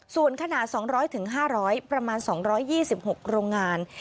ส่วนขนาด๒๐๐๕๐๐ประมาณ๒๒๖โรงงาน